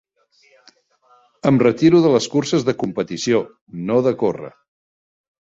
Em retiro de les curses de competició, no de córrer.